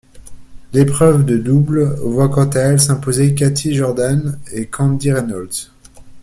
L'épreuve de double voit quant à elle s'imposer Kathy Jordan et Candy Reynolds.